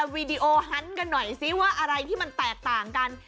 วีดีโอฮันต์กันหน่อยซิว่าอะไรที่มันแตกต่างกัน